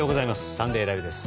「サンデーＬＩＶＥ！！」です。